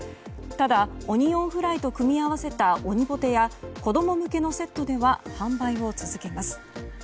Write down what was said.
ただ、オニオンフライと組み合わせたオニポテや子供向けのセットでは販売を続けます。